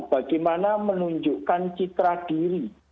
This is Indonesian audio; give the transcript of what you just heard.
bagaimana menunjukkan citra diri